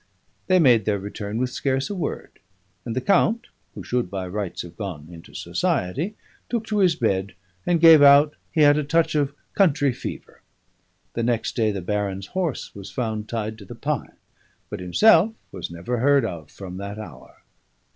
They made their return with scarce a word; and the count, who should by rights have gone into society, took to his bed and gave out he had a touch of country fever. The next day the baron's horse was found tied to the pine, but himself was never heard of from that hour.